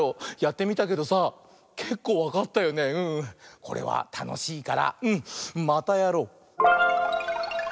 これはたのしいからうんまたやろう！